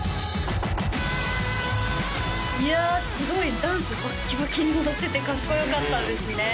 いやすごいダンスバッキバキに踊っててかっこよかったですね